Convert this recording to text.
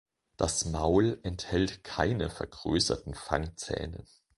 Das Maul enthält keine vergrößerten Fangzähne.